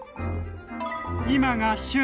今が旬！